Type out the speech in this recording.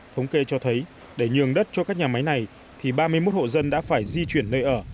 thống kê cho thấy để nhường đất cho các nhà máy này thì ba mươi một hộ dân đã phải di chuyển nơi ở